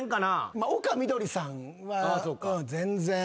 丘みどりさんは全然。